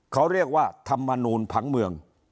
เขาเรียกว่าธรรมนูลผังเมือง